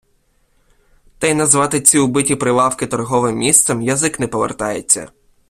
Та й назвати ці убиті прилавки «торговим місцем» язик не повертається.